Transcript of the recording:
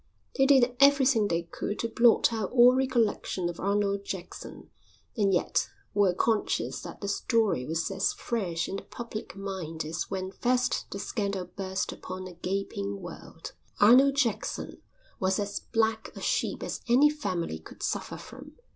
They did everything they could to blot out all recollection of Arnold Jackson and yet were conscious that the story was as fresh in the public mind as when first the scandal burst upon a gaping world. Arnold Jackson was as black a sheep as any family could suffer from.